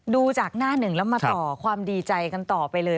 ดูจากหน้าหนึ่งแล้วมาต่อความดีใจกันต่อไปเลย